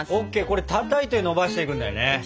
これたたいてのばしていくんだよね？